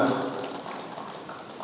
yang kami hormati